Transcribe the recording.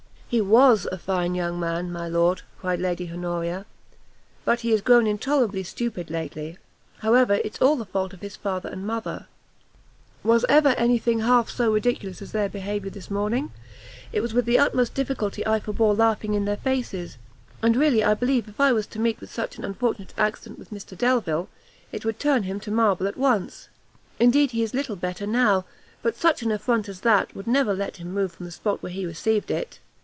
"He was a fine young man, my lord," cried Lady Honoria, "but he is grown intolerably stupid lately; however, it's all the fault of his father and mother. Was ever any thing half so ridiculous as their behaviour this morning? it was with the utmost difficulty I forbore laughing in their faces; and really, I believe if I was to meet with such an unfortunate accident with Mr Delvile, it would turn him to marble at once! indeed he is little better now, but such an affront as that would never let him move from the spot where he received it."